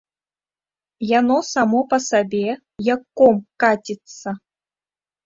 Яно само па сабе, як ком каціцца.